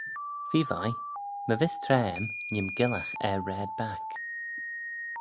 Feer vie, my vees traa aym nee'm gyllagh er raad back.